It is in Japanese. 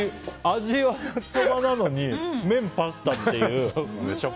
味は焼きそばなのに麺がパスタっていう。